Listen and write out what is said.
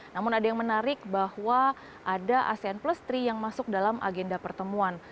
namun ada yang menarik bahwa ada asean plus tiga yang masuk dalam agenda pertemuan